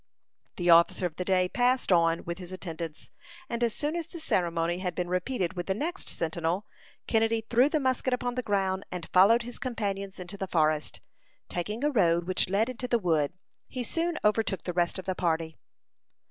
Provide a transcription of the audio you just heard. The officer of the day passed on with his attendants, and as soon as the ceremony had been repeated with the next sentinel, Kennedy threw the musket upon the ground, and followed his companions into the forest. Taking a road which led into the wood, he soon overtook the rest of the party.